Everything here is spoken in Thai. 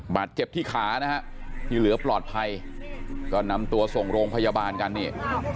บาดเจ็บที่ขานะฮะที่เหลือปลอดภัยก็นำตัวส่งโรงพยาบาลกันนี่